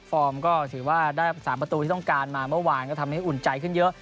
ฟอร์มก็ถือว่าได้๓ประตูที่ต้องการมาเมื่อวานก็ทำให้อุ่นใจขึ้นเยอะ